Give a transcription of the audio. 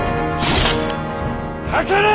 かかれ！